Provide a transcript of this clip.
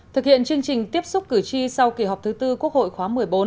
thực hiện chương trình tiếp xúc cử tri sau kỳ họp thứ tư quốc hội khóa một mươi bốn